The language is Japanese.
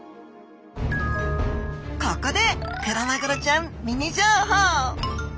ここでクロマグロちゃんミニ情報！